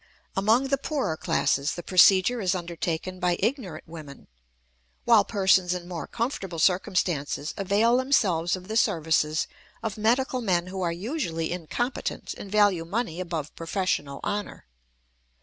Among the poorer classes the procedure is undertaken by ignorant women, while persons in more comfortable circumstances avail themselves of the services of medical men who are usually incompetent and value money above professional honor.